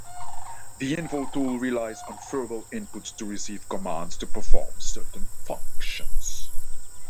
The Info Tool relies on verbal inputs to receive commands to perform certain functions.